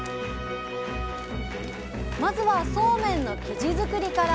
まずはそうめんの生地作りから。